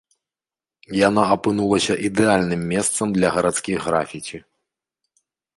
Яна апынулася ідэальным месцам для гарадскіх графіці.